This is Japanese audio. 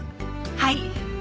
はい。